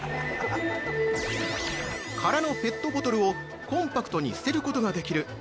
◆空のペットボトルをコンパクトに捨てることができる